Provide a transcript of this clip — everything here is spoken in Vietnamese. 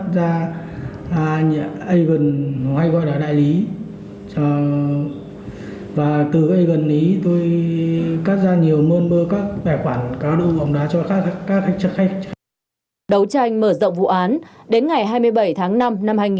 đầu tranh mở rộng vụ án đến ngày hai mươi bảy tháng năm năm hai nghìn hai mươi hai